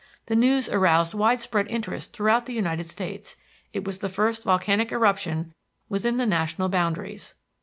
The news aroused wide spread interest throughout the United States; it was the first volcanic eruption within the national boundaries.